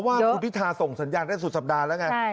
ว่าคุณพิธาส่งสัญญาณได้สุดสัปดาห์แล้วไง